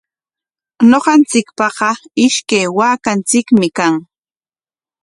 Ñuqanchikpaqa ishkay waakanchikmi kan.